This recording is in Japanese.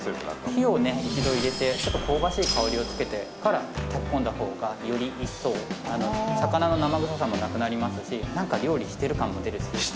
火を一度入れて香ばしい香りをつけてから炊きこんだほうがより一層、魚の生臭さもなくなりますし何か料理してる感も出るし。